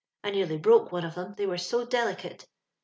I nearly broke one of 'em, they were so delicate.